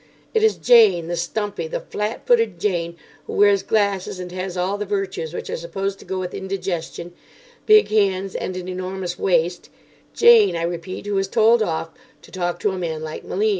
It is Jane, the stumpy, the flat footed—Jane, who wears glasses and has all the virtues which are supposed to go with indigestion: big hands and an enormous waist—Jane, I repeat, who is told off to talk to a man like Malim.